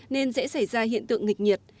nên dễ xảy ra hiện tượng nghịch nhiệt